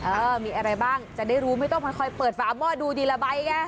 เออมีอะไรบ้างจะได้รู้ไม่ต้องค่อยเปิดฝาหม้อดูทีละใบไง